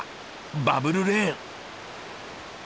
バブルレーン！